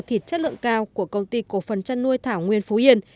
thịt chất lượng cao của công ty cổ phần chăn nuôi thảo nguyên phú yên